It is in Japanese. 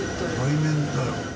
対面だよ。